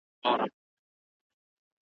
یوه سړي خو په یوه ټلیفوني رپوټ کي ,